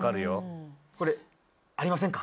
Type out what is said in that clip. これ、ありませんか？